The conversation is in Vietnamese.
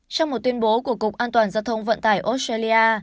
trong một tuyên bố của cục an toàn giao thông vận tải australia